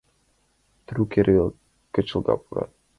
Трук эрвел гычла пурат!